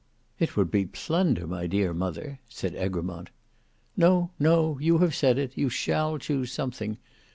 "It would be plunder, my dear mother," said Egremont. "No, no; you have said it; you shall choose something.